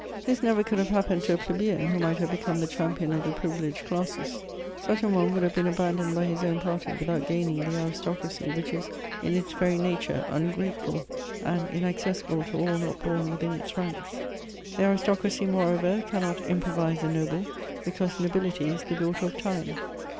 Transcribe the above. Ihis never could have happened to a plebeian who might have become the champion of the privileged classes : such an one would have been abandoned by his own party without gaining the aristocracy, which is, in its very nature, ungrateful, and inaccessible to all not born within its ranks. The ariatocracy, moreover, cannot improvise a noble, because nobility is the daughter of time.